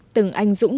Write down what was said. từng anh dũng